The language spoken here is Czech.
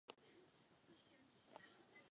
Do města přišel oddíl Rudé armády.